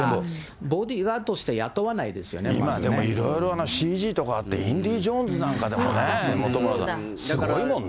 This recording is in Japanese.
ボディガードとしては雇わないででも今、いろんなＣＧとかあって、インディジョーンズなんかでも本村さん、すごいもんね。